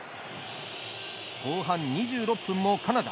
後半２６分もカナダ。